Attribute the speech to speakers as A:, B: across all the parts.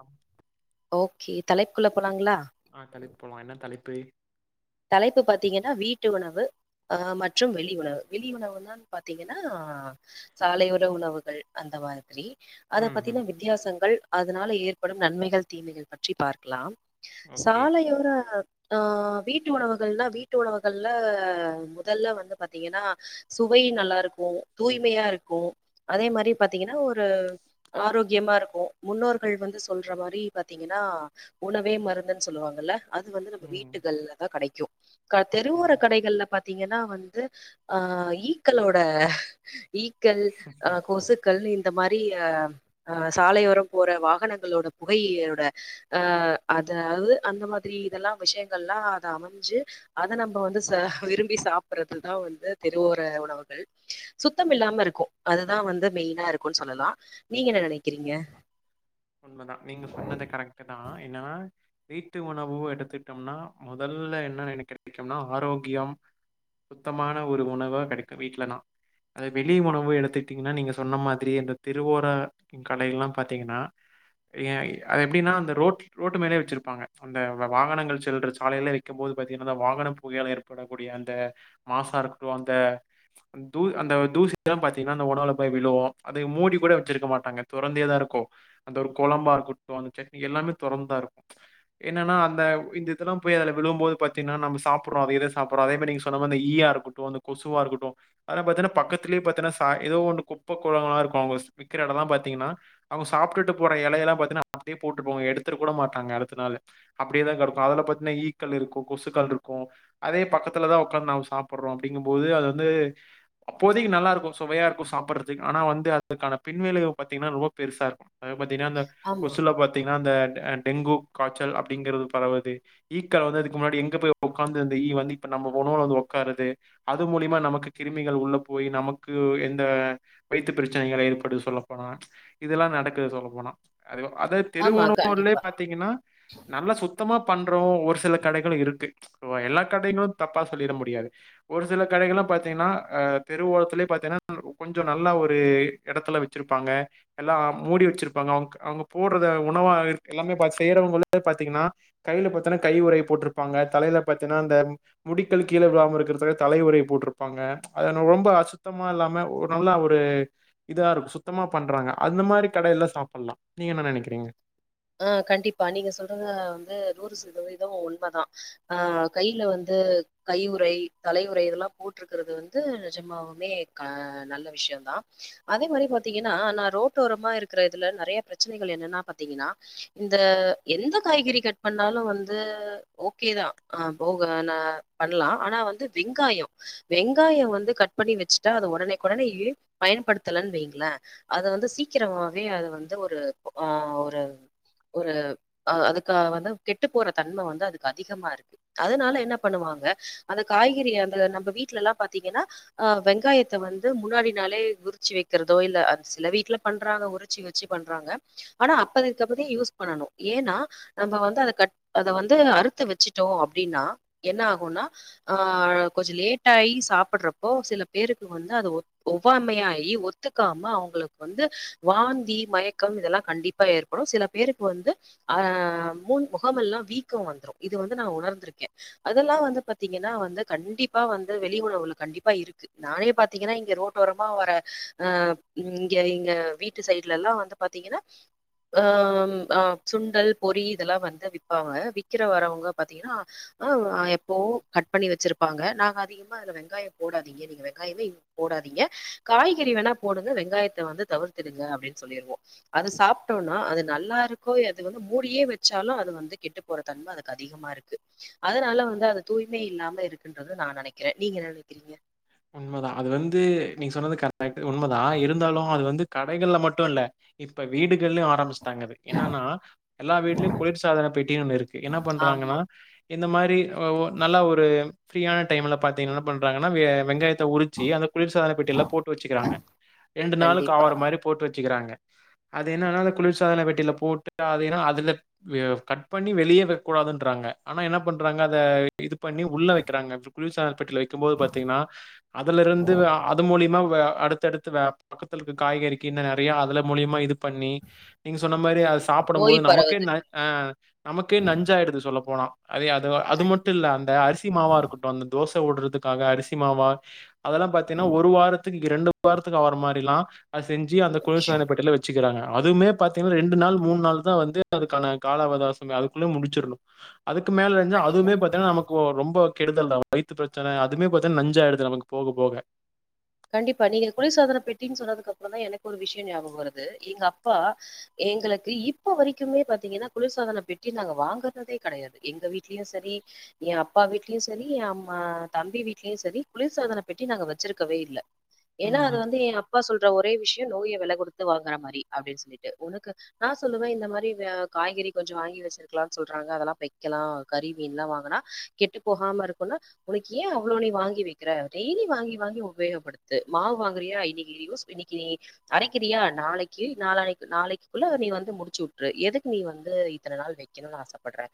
A: ஆமா
B: ஓகே தலைப்க்குள்ள போலாங்களா
A: ஆ தலைப்பு போலா என்ன தலைப்பு
B: தலைப்பு பாத்தீங்கன்னா வீட்டு உணவு அ மற்றும் வெளி உணவு வெளி உணவுணா பாத்தீங்கன்னா சாலையோர உணவுகள் அந்த மாதிரி அத
A: ம், ம்.
B: பத்தின வித்தியாசங்கள் அதனால ஏற்படும் நன்மைகள் தீமைகள் பற்றி பார்க்கலாம்
A: ஓகே.
B: சாலையோர ஆ வீட் டு உணவுகள்னா வீட்டு உணவுகள்ல முதல்ல வந்து பாத்தீங்கன்னா சுவை நல்லா இருக்கும் தூய்மையா இருக்கும் அதே மாரி பாத்தீங்கன்னா ஒரு ஆரோக்கியமா இருக்கும் முன்னோர்கள் வந்து சொல்ற மாரி பாத்தீங்கன்னா உணவே மருந்துன் சொல்லுவாங்கல்ல அது வந்து நம்ம
A: ம்,
B: வீட்டுகள்ல கடைக்கு க தெருவோர
A: ம்.
B: கடைகள்ல பாத் பாத்தீங்கன்னா வந்து ஆ ஈக்களோட ஈக்கள் ஆ கொசுக்கள்னு இந்த மாரி ஆ சாலயோரொ போற வாகனங்களோட புகையோட அ அதாவ்து அந்த மாத்ரி இதல்லா விஷயங்கள்லா த அமஞ்சு அத நம்ப வந்து ச விரும்பி சாப்றதுதா வந்து திருவோர உணவுகள் சுத்தம் இல்லாம இருக்கு அதுதா வந்து மெயினா இருக்குன் சொல்லலா நீங்க என்ன நெனக்கிறீங்க
A: உண்மதா நீங்க சொன்னத கரெக்ட் தா ஏன்னனா வீட்டு உணவு எடுத்துட்டம்னா மொதல்ல என்னன் எனக் [unintelligible] ஆரோக்ய சுத்தமான ஒரு உணவ கெடக்கு வீட்லனா அதை வெளி உணவு எடுத்துக்ட்டீங்னா நீங்க சொன்ன மாதிரி என்ற திருவோர கடைல்லா பாத்தீங்கனா ஏ அது எப்டினா அந்த ரோட் ரோட்டு மேலே வெச்சிருப்பாங்க அந்த வாகனங்கள் செல்ற சாலைல விக்கம்போது பாத்தீங்கின்னதா வாகன புகையால ஏற்படக்கூடிய அந்த மாசாருக்குட்டு அந்த தூ அந்த தூசிதா பாத்தீங்ன்னா அந்த ஒணவுல போய் விழு அதை மூடி கூட வச்சிருக்க மாட்டாங்க தொறந்தேதா இருக்கு அந்த ஒரு குழம்பா இருக்குட்டு அந்த சட்னி எல்லாமே தொறந்துதா இருக்கு என்னன்னா அந்த இந் இதுலா போய் அதுல விழும்போது பாத்தீன்னா நம்ப சாப்புற்றோ அதைதே சாப்புற்றோ அதே மேறர் நீங் சொன்ன அந்த ஈயா இருக்குட்டு அந்த கொசுவா இருக்கட்டு அதல்லா பாத்தின்னா பக்கத்திலே பாத்தினா சா எதோ ஒன்னு குப்ப குழல்லா இருக்கு அவுங்கஸ் விக்கிற எடலா பாத்திங்ன்னா அவுங்க சாப் டுட்டு போற எலையெல்லா பாத்தீனா அப்டே போட்டு போங்க எடுத்துருக் கூட மாட்டாங்க அடுத்த நாள் அப்டேதா கெரக்கு அதல பாத்தீன்னா ஈக்கள் இருக்கு கொசுக்கள்ருக்கு அதே பக்கத்துலதா உக்காந்து நாம சாப்புற்றோ அப்டிங்கு போது அது வந்து அப்போதிக்கு நல்லாறர்க்கு சுவையாருக்கு சாப்பட்றதுக் ஆனா வந்து அதுக்கான பின்விளைவ பாத்தங்னா ரொம்ப பெருசாரு அது பாத்தீங்கன்னா அந்த
B: ஆமா
A: கொசுல பாத்தீங்கன்னா அந்த டெங்கு காச்சல் அப்டிங்கறது பரவது ஈக்கள் வந்து அதுக்கு முன்னாடி எங்க பேய் ஒக்காந்து இந்த ஈ வந்தி இப்ப நம்ப ஒணவுல வந்து ஒக்காருது அது மூலியமா நமக்கு கிருமிகள் உள்ள போய் நமக்கு எந்த வய்த்து பிரச்சனைகள ஏற்படுது சொல்ல போனா இதெல்லா நடக் கு சொல்ல போனா அது அத
B: ஆமா
A: தெருவுணகல்லே
B: கண்டிப்பா.
A: பாத்தீங்கன்னா நல்லா சுத்தமா பண்றோ ஒரு சில கடைகளு இருக்கு எல்லா கடைகளு தப்பா சொல்லிட முடியாது ஒரு சில கடைகளு பத்திங்கன்னா தெருவோலத்த பாத்திங்கனா கொஞ்சோ நல்லா ஒரு எடத்துல வச்சிருப்பாங்க எல்லா மூடி வ வச்சுருப்பாங்க அவங்கக் அவங்க போடுறத உணவா இருக் எல்லாமே பாத் செய்யறவங்களே பாத்தீங்கன்னா கைல பாத்திங்கனா கை உரை போட்ருப்பாங்க தலயில பாத்தீங்கன்னா அந்த முடிக்கள் கீழே விழுவாம இருக்குறதுக்காக தலை உரைய போட்ருப்பாங்க அத ரொம்ப அசுத்தமா இல்லாம ஒரு நல்லா ஒரு இதா இருக் சுத்தமா பண்றாங்க அந்த மாரி கடையில சாப்புல்லா நீங்க என்னா நனக்கிறீங்க
B: ஆ கண்டிப்பா நீங்க சொல்றத வந்து நூறு சதவீதோ உண்மதா ஆ கையில வந்து கையுறை தலையுறை இதெல்லா போட்ருக்கிறது வந்து நிஜமாவுமே க நல்ல விஷியோதா அதே மாரி பாத்தீங்கன்னா நா ரோட்டோரமா இருக்கிற இதுல நறியா பிரச்சனைகள் என்னன்னா பாத்தீங்கன்னா இந்த எந்த காய்கறி கட் பண்ணாலு வந்து ஓக்கேதா ஆ போக நா பண்லா ஆனா வந்து வெங்காயோ வெங்காயோ வந்து கட் பண்ணி வச்சுட்டா அத உடனேக்குடனே பயன்படுத்தலன்னு வைங்களே அத வந்து சீக்கிரமாவே அது வந்து ஒரு ஆ ஒரு ஒரு அ அதுக்கா வந்து கெட்டு போற தன்ம வந்து அதுக்கு அதிகமாருக்கு அதனால என்ன பண்ணுவாங்க அந்த காய்கறிய அந்த நம்ம வீட்லலாம் பாத்தீங்கனா ஆ வெங்காயத்த வந்து முன்னாடி நாளே உறிச்சு வக்கிறதோ இல்ல சில வீட்ல பண்றாங்க உறிச்சு வச்சு பண்றாங்க ஆனா அப்பத அக்கப்படி யூஸ் பண்ணனு ஏன்னா நம்ம வந்து அத கட் அத வந்து அறுத்து வச்சுட்டோ அப்டின்னா என்ன ஆகுன்னா ஆ கொஞ்சு லேட் ஆயி சாப்புட றப்போ சில பேருக்கு வந்து அது ஒவ்வாமையாகி ஒத்துக்காம அவுங்களுக்கு வந்து வாந்தி மயக்கம் இதெல்லா கண்டிப்பா ஏற்ப அப்புறோ சில பேருக்கு வந்து ஆ மூன் முகமெல்லா வீக்கோ வந்துரு இது வந்து நா உணர்ந்திருக்கே அதெல்லா வந்து பத்தீங்கனா வந்து கண்டிப்பா வந்து வெளி உணவுல கண்டிப்பா இருக்கு நானே பாத்தீங்கன்னா இங்க ரோட்டோரமா வர ஆ இங்க எங்க வீட்டு சைடுலலா வந்து பாத்தீங்கன்னா ஆம் ஆ சுண்டல் பொறி இதெல்லா வந்து விப்பாங்க விக்கிற வரவங்க பத்தீங்கனா ஆ எப்பவோ கட் பண்ணி வச்சிருப்பாங்க நாங்க அதிகமா அதுல வெங்காயோ போடாதீங்க நீங்க வெங்காயமே போடாதீங்க காய்கறி வேணா போடுங்க வெங்காயத்த வந்து தவிர்த்துடுங்க அப்டின்னு சொல்லிருவோ அத சாப் ட்டோனா அது நல்லாருக்கோ அது வந்து மூடியே வச்சாலு அது வந்து கெட்டு போற தன்ம அதுக்கு அதிகமாருக்கு அதனால வந்து அது தூய்மை இல்லாம இருக்குன்றத நா நெனக்கிறே நீங்க என்ன நெனக்கிறீங்க
A: உண்மதா அது வந்து நீங்க சொன்னது கரெக்டாருக்கு உண்மதா இருந்தாலு அது வந்து கடைகள்ல மட்டு இல்ல இப்ப வீடு கள்ளையு ஆரம்பிச்சுட்டாங்க அது என்னன்னா எல்லா வீட்லயு குளிர் சாதன பெட்டினு ஒன்னு இருக்கு என்ன பண்றாங்கன்னா
B: ஆமா.
A: இந்த மாரி ஒ நல்லா ஒரு ஃப்ரீயான டைம்ல பாத்தீங்கனா என்ன பண்றாங்கன்னா வே வெங்காயத் [unintelligible] உரிச்சு அந்த குளிர் சாதன பெட்டியில போட்டு வச்சுக்கிறாங்க ரெண்டு நாளுக்கு
B: கண்டிப்பா.
A: ஆவுர மாரி போட்டு வச்சுக்கிறாங்க அது என்னன்னா அந்த குளிர்சாதன பெட்டியில போட்டு அது ஏன்னா அதுல கட் பண்ணி வெளிய வக்க கூடாதுன்றாங்க ஆனா என்ன பண்றாங்க அத இது பண்ணி உள்ள வெக்கிறாங்க குளிர்சாதன பெட்டியில வெக்கும்போது பத்தீங்கன்னா அதுல இருந்து அ அது மூலியமா வ அடுத்தடுத்து வ பக்கத்துல இருக்க காய்கறிக்கு இன்ன நறியா அதுல மூலியமா இது பண்ணி நீங்க சொன்ன மாரி அத
B: ம்.
A: சாப்புட
B: நோய்
A: போது நமக்கே
B: பரவுது.
A: ந ஆ நமக்கே நஞ்சாயிடுது சொல்ல போனா அதயே அது அது மட்டு இல்ல அந்த அரிசி மாவாருக்கட்டு அந்த தோச எங்க ஓடுறதுக்காக அரிசி இமாவா அதெல்லா பாத்தீன்னா ஒரு வாரத்துக்கு ரெண்டு ஒரு வாரத்துக்கு ஆவர மாரிலா அது செஞ்சு அந்த குளிர்
B: கண்டிப்பா.
A: சாதன பெட்டில வச்சுக்கிறாங்க அதுவுமே பத்தீங்கனா ரெண்டு நாள் மூணு நாள் தா வந்து அதுக்கான கால அவகாசமே அதுக்குள்ள முடுச்சரணு அதுக்கு மேல இருஞ்சா
B: கண்டிப்பா.
A: அதுவுமே பாத்தீங்கன்னா நமக்கு ஒ ரொம்போ கெடுதல் தா வயித்து பிரச்சன அதுமே ப தா நஞ்சாயிடுது நமக்கு போக போக
B: கண்டிப்பா நீங்க குளிர்சாதன பெட்டின்னு சொன்னதுக்கு அப்புறதா எனக்கு ஒரு விஷயோ ஞாபகோ வருது எங்க அப்பா எங்களுக்கு இப்ப வரைக்குமே பாத்தீங்கன்னா குளிர்சாதன பெட்டி நாங்க வாங்குறதே கிடையாது எங்க வீட் வீட்லயு சரி எ அப் அப்பா வீட்லயு சரி எ அம்மா தம்பி வீட்லயு சரி குளிர்சாதனபெட்டி நாங்க வச்சுருக்கவே இல்ல ஏன்னா அது
A: ம்.
B: வந்து எ அப்பா சொல்ற ஒரே விஷ் [unintelligible] நோய வெல கொடுத்து வாங்குற மாரி அப்டின்னு சொல்லிட்டு உனக்கு நா சொல்லுவே இந்த மாரி காய்கறி கொஞ்சு வாங்கி வச்சிருக்கலாம்னு சொல்றாங்க அதெல்லா வக்கலா கறி மீன்லா வாங்கனா கெட்டு போகாம இருக்குன்னா உனக்கு ஏன் அவ்வளோ நீ வாங்கி வைக்கிற டெய்லி வாங்கி வாங்கி உபயோகப்படுத்து மாவு வாங்குறியா இன்னைக்கு யூஸ் இன்னைக்கு நீ அரைக்கிறியா நாளைக்கு நாளைக்குக்குள்ள நீ வந்து முடிச்சு விட்டுரு எதுக்கு நீ வந்து இத்தன நாள் வக்கணுனு ஆசைப்படுற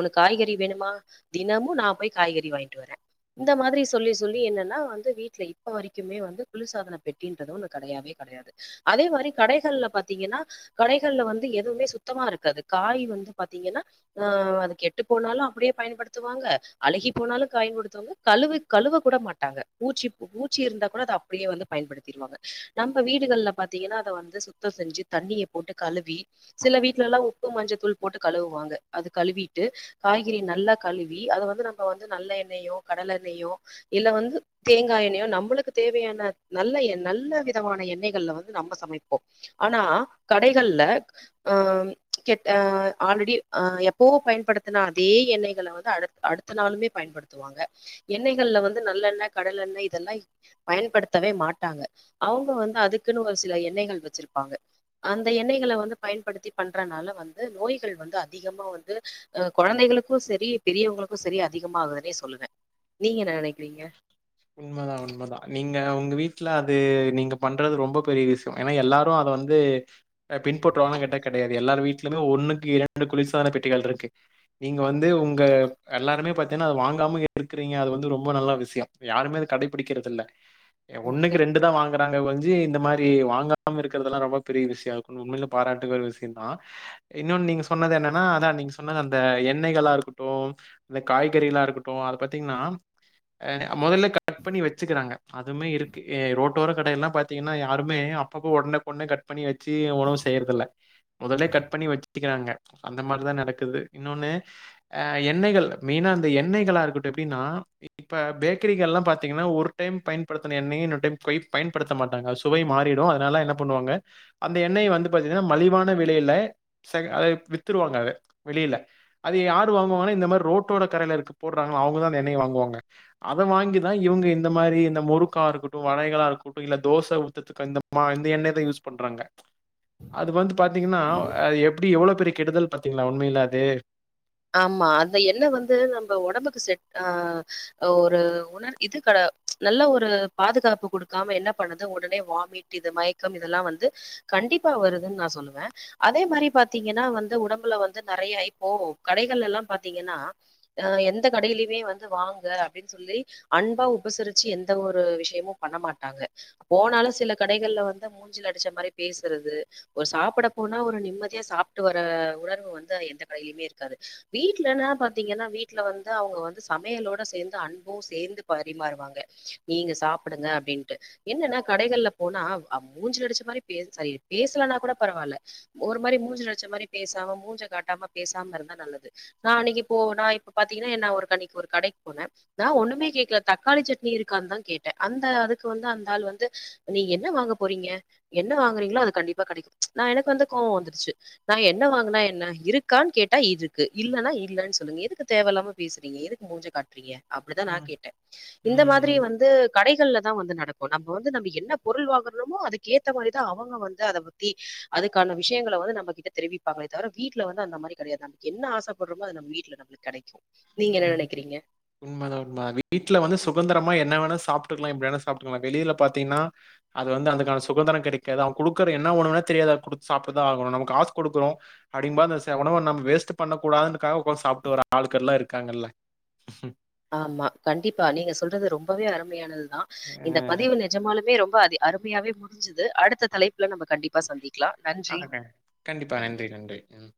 B: உனக்கு காய்கறி வேணுமா தினமு நா போய் காய்கறி வாங்கிட்டு வரே இந்த மாதிரி சொல்லி சொல்லி என்னன்னா வந்து வீட்ல இப்ப வரைக்கு ம வ குளிர்சாதன பெட்டின்றத ஒன்னு கடயவே கடயாது அதே மாரி கடைகள்ல பாத்தீங்கன்னா கடைகள்ல வந்து எதுவுமே சுத்தமா இருக்காது காய் வந்து பாத்தீங்கன்னா ஆ அது கெட்டு போனாலு அப்டியே பயன்படுத்துவாங்க அழுகி போனாலு பயன்படுத்துவாங் கழு கழுவ கூட மாட்டாங்க பூச்சி பூ பூச்சி இருந்தா கூட அத அப்டியே வந்து பயன்படுத்திரு வாங்க நம்ம வீடுகள பாத்தீங்கன்னா அத வந்து சுத்தோ செஞ்சு தண்ணிய போட்டு கழுவி சில வீட்லலா எல்லா உப்பு மஞ்சத்தூள் போட்டு கழுவுவாங்க அது கழுவிட்டு காய்கறி நல்லா கழுவி அத வந்து நம்ம வந்து நல்ல எண்ணெயோ கடல எண்ணெயோ இல்ல வந்து தேங்கா எண்ணெயோ நம் நம்முளுக்கு தேவையான நல்ல நல்ல விதமான எண்ணெய்கள வந்து நம்ம சமைப்போ ஆனா கடைகள்ல ஆ கெட்ட ஆ ஆல்ரெடி ஆ எப்போ பயன்படுத்தன அதே எண்ணெய்கள வந்து அடுத்த நாளுமே பயன்படுத்துவாங்க எண்ணெய்கல்ல வந்து நல்லெண்ணெ கடல எண்ணெ இதெல்லா பயன்படுத்தவே மாட்டாங்க அவுங்க வந்து அதுக்குன்னு ஒரு சில எண்ணெய்கள் வச்சுருப்பாங்க. அந்த எண்ணெய்கள வந்து பயன்படுத்தி பண்றனால வந்து நோய்கள் வந்து அதிகமா வந்து அ கொழந்தைகுளுக்கு சரி பெரியவங்குளுக்கு சரி அதிகமாகுன்னே சொல்லுவே நீங்க என்ன நெனைக்கிறீங்க?
A: உண்மதா உண்மதா நீங்க உங்க வீட்ல அது நீங்க பண்றது ரொம்ப பெரிய விஷியோ. ஏன்னா எல்லாரு அத வந்து பின்பற்றுவாங்ன்னு கேட்டா கெடையாது. எல்லார் வீட்லுமே ஒன்னுக்கு ரெண்டு குளிர்சாதன பெட்டிகள் இருக்கு. நீங்க வந்து உங்க எல்லாருமே பாத்தீங்ன்னா அது வாங்காம இருக்றீங்க அது வந்து ரொம்ப நல்ல விஷியோ யாருமே இத கடைபுடிக்கிறதில்ல. ஒன்னுக்கு ரெண்டு தா வாங்குறாங்க வஞ்சு இந்த மாரி பி வாங்காம இருக்குறதெல்லா ரொம்ப பெரிய விஷயோ அதுக்கு உண்மையில பாராட்டுகள் விஷயந்தா இன்னொன் நீங்க சொன்னது என்னன்னா அதா நீங்க சொன்னது அந்த எண்ணெய்களா இருக்கட்டு இல்ல காய்கறிகளா இருக்கட்டு அத பாத்தீங்ன்னா எ மொதல்ல கட் பண்ணி வச்சுக்கிறாங்க அதுமே இருக்கு ரோட்டோர கடையெல்லா பாத்தீங்ன்னா யாருமே அப்பப்போ ஒடனேக்குடனே கட் பண்ணி வச்சு ஒணவு செய்யறதில்ல. மொதலலே கட் பண்ணி வச்சுக்கிறாங்க அந்த மாரிதா நடக்குது இன்னொன்னு அ எண்ணெய்கள் மெயினா அந்த எண்ணெய்களா இருக்கட்டு எப்டின்னா இப்போ பே. க்கரிக எல்லா பாத்தீங்கன்னா ஒரு டைம் பயன்படுத்தன எண்ணெய இன்னொரு டைம் கொய் பயன்படுத்த மாட்டாங்க அது சுவை மாறிடு. அதுனால என்ன பண்ணுவாங்க அந்த எண்ணெய வந்து பாத்தீங்ன்னா மலிவான விலையில செக ஆ வித்துறுவாங்க அத வெளில. அது யாரு வாங்குவாங்கன்னா இந்த மாரி ரோட்டோட கடையில இரு போடுறாங்கள்ள அவுங்கதா அந்த எண்ணெய வாங்குவாங்க. அத வாங்கிதா இவுங்க இந்த மாரி இந்த முறுக்கா இருக்கட்டு வடைகளா இருக்கட்டு இல்ல தோச ஊத்துறதுக்கு இந்த மா இந்த எண்ணெய் தா யூஸ் பண்றாங்க. அது வந்து பாத்தீங்கன்னா அ எப்டி எவ்ளோ பெரி கெடுதல் பாத்தீங்களா உண்மையில அது.
B: ஆமா அந்த எண்ண வந்து நம்ம ஒடம்புக்கு செட் ஆ ஒரு உணர் எது கெட நல்ல ஒரு பாதுகாப்பு குடுக்காம என்ன பண்ணுது ஒடனே வாமிட் இது மயக்கம் இதெல்லா வந்து கண்டிப்பா வருதுன்னு நா சொல்லுவே அதே மாதிரி பாத்தீங்கன்னா வந்து உடம்புல வந்து நெறையாயி கோவோ கடைகள்லெல்லா பாத்தீங்கன்னா எந்த கடயிலயுமே வந்து வாங்க அப்டின்னு சொல்லி அன்பா உபசரிச்சு எந்த ஒரு விஷயமும் பண்ண மாட்டாங்க. போனாலு சில கடைகள்ல வந்து மூஞ்சில அடிச்ச மாரி பேசுறது ஒரு சாப்புட போனா ஒரு நிம்மதியா சாப்ட்டு வர உணர்வு வந்து எந்த கடையிலயுமே இருக்கு இருக்காது வீட்லனா பாத்தீங்கன்னா வீட்ல வந்து அவுங்க வந்து சமையலோட சேந்து அன்பு சேந்து பரிமாறுவாங்க நீங்க சாப்புடுங்க அப்டின்ட்டு என்னன்னா கடைகள்ல போனா அ மூஞ்சில அடிச்ச மாரி பே சாரி பேசலனா கூட பரவால்ல ஒரு மாரி மூஞ்சில அடிச்ச மாரி பேசாம மூஞ்சியா காட்டாம பேசு நா அன்னிக்கு இப்போ நா இப்போ பாத்தீங்கன்னா நா ஒரு அன்னிக் கடைக்கு போனே நா ஒன்னுமே கேக்கல தக்காளி சட்னி இருக்கான்னு தான் கேட்டே அந்த அதுக்கு வந்து அந்த ஆள் வந்து, நீ என்ன வாங்க போறீங்க? என்ன வாங்குறீங்களோ அது கண்டிப்பா கடைக்கு. நா எனக்கு வந்து கோவோ வந்துருச்சி நா என்ன வாங்குனா என்ன இருக்கான்னு கேட் இருக்கு இல்லன்னா இல்லன்னு சொல்லுங்க. எதுக்கு தேவயில்லாம பேசுறீங்க? எதுக்கு மூஞ்ச காட்டுறீங்க அப்டிதா நா
A: ம்.
B: கேட்டே இந்த மாதிரி
A: ம்.
B: வந்து கடைகள்ல இத்தா வந்து நடக்கு நம்ப வந்து நம்ப என்னா பொருள் வாங்குறமோ? அதுக்கேத்த மாரிதா அவங்க வந்து அத பத்தி அதுக்கான விஷயங்கள வந்து நம்ம கிட்ட தெரிவிப்பாங்களே தவர வீட்ல வந்து அந்த மாரி கெடையாது நமக்கு என்ன ஆசப்பட்றமோ அது நம்ம வீட்டுல நம்ளுக்கு கெடைக்கு
A: உண்மதா உண்மதா வீட்ல வந்து சுகந்தரமா என்ன வேணா சாப்புட்டுக்கலா எப்டி வேணா சாப்புட்டுக்கலா வெளில பாத்தீங்கன்னா அது வந்து அதுக்கான சுகந்தரோ கெடைக்காது அவே குடுக்கற என்ன உணவுனே தெரியாது அது குடுத்தா சாப்டு தா ஆகணு. நம்ம காசு குடுக்குறோ அப்டின் போ ச நம்ம உணவு வேஸ்ட் பண்ண கூடாதுன்னுன்ற க்காக ஒக்காந்து சாப்ட்டு வர ஆளுக்கெல்லா இருக் இருக்காங்கல்ல
B: ஆமா கண்டிப்பா நீங்க சொல்றது ரொம்பவே அருமையானது தா இந்த
A: அஹ்
B: பதிவு நெஜமாலுமே ரொம் ம்ப அது அருமையாவே முடிஞ்சிது அடுத்த தலைப்புல நம்ம கண்டிப்பா சந்திக்
A: ஆகட்டுங்க கண்டிப்பா நன்றி நன்றி ம்